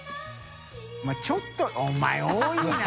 ちょっとお前多いな！